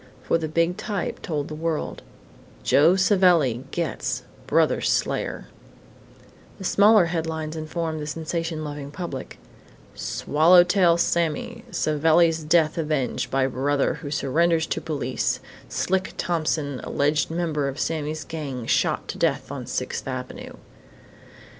For the big type told the world: JOE SAVELLI "GETS" BROTHER'S SLAYER And smaller headlines informed the sensation loving public: "SWALLOW TAIL SAMMY" SAVELLI'S DEATH AVENGED BY BROTHER WHO SURRENDERS TO POLICE; "SLICK" THOMPSON, ALLEGED MEMBER OF SAMMY'S GANG, SHOT TO DEATH ON SIXTH AVENUE.